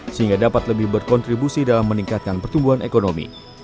sehingga dapat lebih berkontribusi dalam meningkatkan pertumbuhan ekonomi